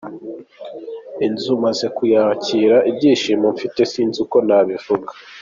Inzu maze kuyakira, ibyishimo mfite sinzi uko nabivuga.